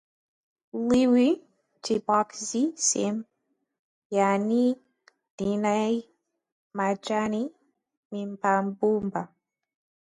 Liwe chipukizi sime, yaani lenye majani membamba.